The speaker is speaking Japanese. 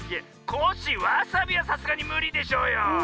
コッシーわさびはさすがにむりでしょうよ。